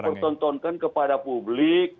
untuk mempertontonkan kepada publik